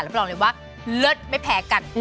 แล้วไปลองเลยว่าเลิศไม่แพ้กัน